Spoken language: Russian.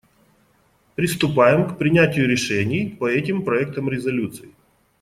Приступаем к принятию решений по этим проектам резолюций.